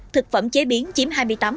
thực phẩm chế biến chiếm hai mươi